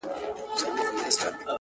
دلته له هرې ښيښې څاڅکي د باران وځي-